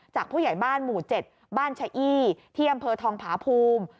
ผู้ใหญ่บ้านหมู่๗บ้านชะอี้ที่อำเภอทองผาภูมิ